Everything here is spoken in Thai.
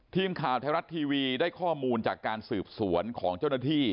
ทีมข่าวไทยรัฐทีวีได้ข้อมูลจากการสืบสวนของเจ้าหน้าที่